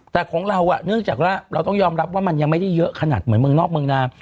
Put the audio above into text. แต่ของเราเนื่องจากว่าเราต้องยอมรับว่ามันยังไม่ได้เยอะขนาดเหมือนเมืองนอกเมืองนา